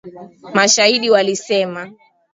mashahidi walisema